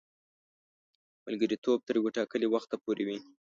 ملګرتوب تر یوه ټاکلي وخته پوري وي.